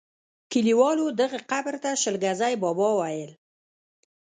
کلیوالو دغه قبر ته شل ګزی بابا ویل.